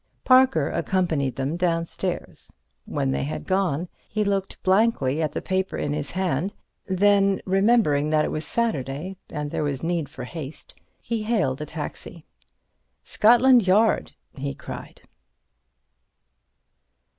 Parker accompanied them downstairs. When they had gone he looked blankly at the paper in his hand—then, remembering that it was Saturday and there was need for haste, he hailed a taxi. "Scotland Yard!" he cried.